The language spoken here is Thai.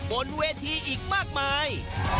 บนเวทีอีกมากมาย